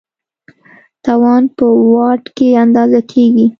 توان په واټ کې اندازه کېږي.